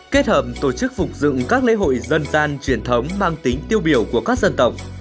kết hợp tổ chức phục dựng các lễ hội dân gian truyền thống mang tính tiêu biểu của các dân tộc